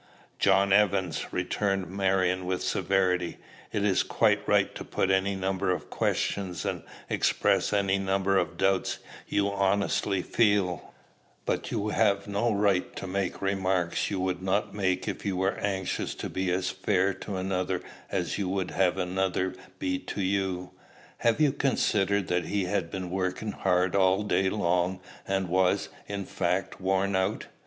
"John Evans," returned Marion with severity, "it is quite right to put any number of questions, and express any number of doubts you honestly feel; but you have no right to make remarks you would not make if you were anxious to be as fair to another as you would have another be to you. Have you considered that he had been working hard all day long, and was, in fact, worn out?